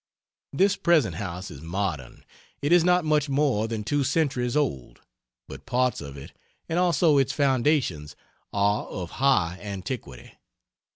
This present house is modern. It is not much more than two centuries old; but parts of it, and also its foundations are of high antiquity.